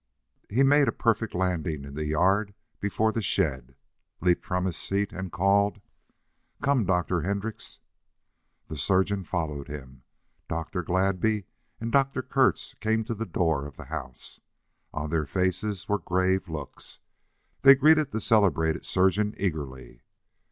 He made a perfect landing in the yard before the shed, leaped from his seat, and called: "Come, Dr. Hendrix!" The surgeon followed him. Dr. Gladby and Dr. Kurtz came to the door of the house. On their faces were grave looks. They greeted the celebrated surgeon eagerly.